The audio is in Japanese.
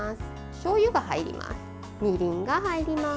しょうゆが入ります。